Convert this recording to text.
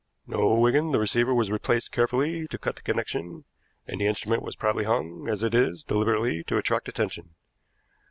No, Wigan, the receiver was replaced carefully to cut the connection, and the instrument was probably hung as it is deliberately to attract attention.